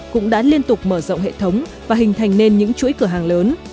cũng đã liên tục mở rộng hệ thống và hình thành nên những chuỗi cửa hàng lớn